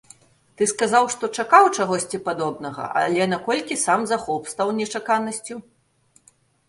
Ты сказаў, што чакаў чагосьці падобнага, але наколькі сам захоп стаў нечаканасцю?